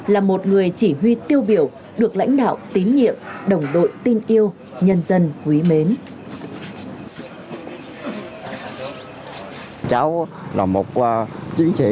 là một người chỉ huy tiêu biểu được lãnh đạo tín nhiệm đồng đội tin yêu nhân dân quý mến